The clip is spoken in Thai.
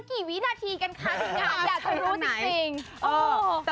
มันกี่วินาทีกันคะอยากจะรู้สิทธิ์